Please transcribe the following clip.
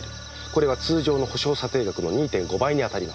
これは通常の補償査定額の２．５倍にあたります。